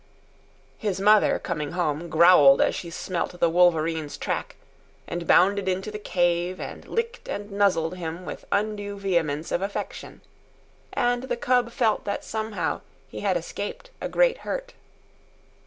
His mother, coming home, growled as she smelt the wolverine's track, and bounded into the cave and licked and nozzled him with undue vehemence of affection. And the cub felt that somehow he had escaped a great hurt.